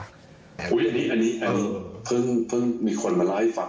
อันนี้เพิ่งมีคนมาเล่าให้ฟัง